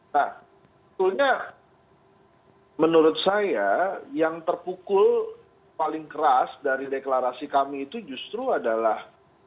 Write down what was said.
nah sebetulnya menurut saya yang terpukul paling keras dari deklarasi kami itu justru adalah